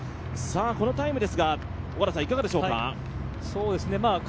このタイムですがいかがでしょうか？